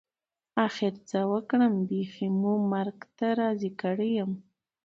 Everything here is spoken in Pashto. اخر څه وکړم بيخي مو مرګ ته راضي کړى يم.